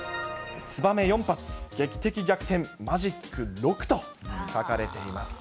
ツバメ４発、劇的逆転、マジック６と書かれています。